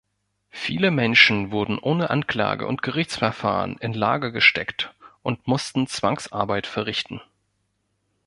Viele Menschen wurden ohne Anklage und Gerichtsverfahren in Lager gesteckt und mussten Zwangsarbeit verrichten.